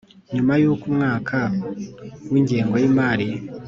Nyuma y uko umwaka w ingengo y imari